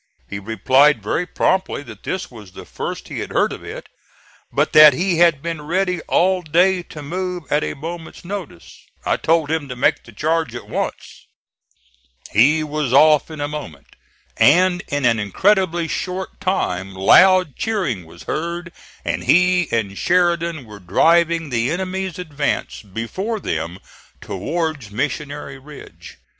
He replied very promptly that this was the first he had heard of it, but that he had been ready all day to move at a moment's notice. I told him to make the charge at once. He was off in a moment, and in an incredibly short time loud cheering was heard, and he and Sheridan were driving the enemy's advance before them towards Missionary Ridge.